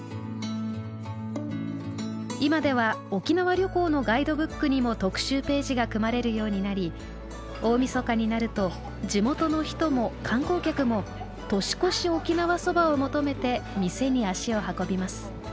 今では沖縄旅行のガイドブックにも特集ページが組まれるようになり大みそかになると地元の人も観光客も「年越し沖縄そば」を求めて店に足を運びます。